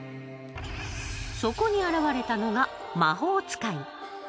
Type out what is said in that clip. そこに現れたのが魔法使い。